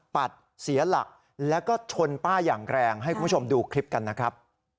ปัดเสียหลักแล้วก็ชนป้าอย่างแรงให้คุณผู้ชมดูคลิปกันนะครับ